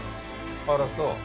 あらそう？